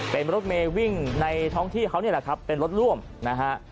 เป็นรถเมย์วิ่งในท้องที่เขานี่แหละครับเป็นรถร่วมนะฮะ